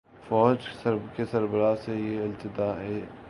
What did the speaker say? فوج کے سربراہوں سے یہ الجھتے گئے۔